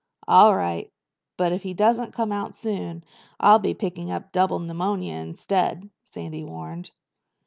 "All right. But if he doesn't come out soon I'll be picking up double pneumonia instead," Sandy warned.